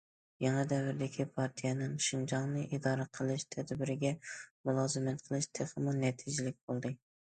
يېڭى دەۋردىكى پارتىيەنىڭ شىنجاڭنى ئىدارە قىلىش تەدبىرىگە مۇلازىمەت قىلىش تېخىمۇ نەتىجىلىك بولدى.